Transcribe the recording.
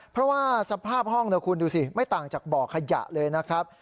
เพราะว่าสภาพห้องนะคุณดูสิไม่ต่างจากบ่อขยะเลยนะครับ